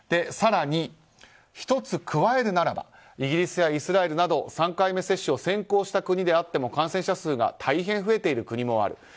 更に、１つ加えるならばイギリスやイスラエルなど３回目接種を先行した国であっても感染者数が大変増えている国もある。